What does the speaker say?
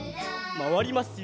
まわりますよ。